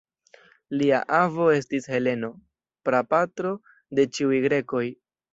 Lia avo estis Heleno, prapatro de ĉiuj grekoj.